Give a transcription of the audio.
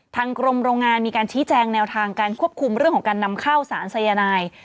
ทางกรมโรงงานมีการชี้แจงแนวทางการควบคุมเรื่องของการนำเข้าสารสายนาย